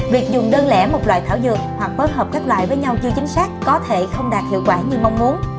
việc dùng đơn lẻ một loại thảo dược hoặc bất hợp các loại với nhau chưa chính xác có thể không đạt hiệu quả như mong muốn